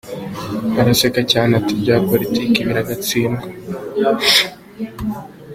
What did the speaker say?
Araseka cyane, ati: ibya politique biragatsindwa.